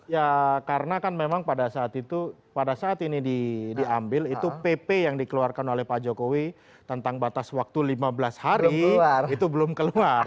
ya karena kan memang pada saat itu pada saat ini diambil itu pp yang dikeluarkan oleh pak jokowi tentang batas waktu lima belas hari itu belum keluar